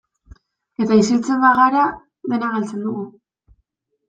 Eta isiltzen bagara, dena galtzen dugu.